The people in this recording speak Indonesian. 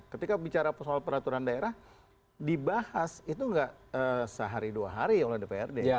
ketika bicara soal peraturan daerah dibahas itu nggak sehari dua hari oleh dprd